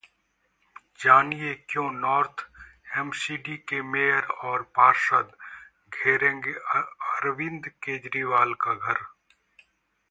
जानिए क्यों north MCD के मेयर और पार्षद घेरेंगे अरविंद केजरीवाल का घर